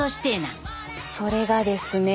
それがですね。